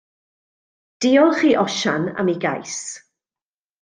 Diolch i Osian am ei gais.